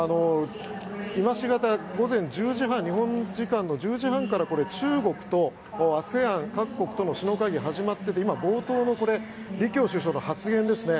今しがた午前１０時半日本時間の午前１０時半から中国とＡＳＥＡＮ各国との首脳会議が始まっていて今、冒頭のこれは李強首相の発言ですね